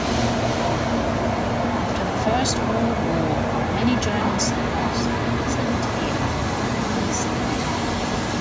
After the First World War many German settlers settled here (hence the name).